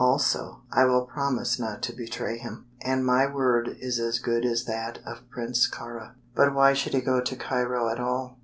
Also, I will promise not to betray him, and my word is as good as that of Prince Kāra." "But why should he go to Cairo at all?"